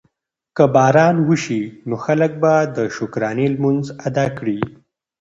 که باران وشي نو خلک به د شکرانې لمونځ ادا کړي.